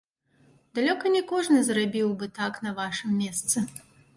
Далёка не кожны зрабіў бы так на вашым месцы.